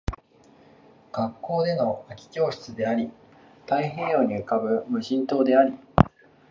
学校での空き教室であり、太平洋に浮ぶ無人島であり